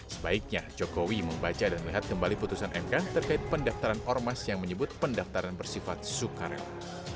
sebaiknya jokowi membaca dan melihat kembali putusan mk terkait pendaftaran ormas yang menyebut pendaftaran bersifat sukarela